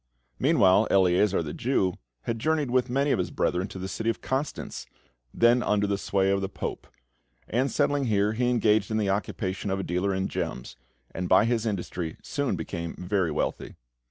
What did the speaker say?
Meanwhile, Eleazar, the Jew, had journeyed with many of his brethren to the city of Constance, then under the sway of the Pope; and, settling here, he engaged in the occupation of a dealer in gems, and by his industry soon became very wealthy.